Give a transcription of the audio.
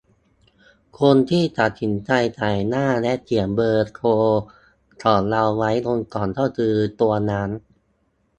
คนที่ตัดสินใจจ่าหน้าและเขียนเบอร์โทรของเราไว้บนกล่องก็คือตัวร้าน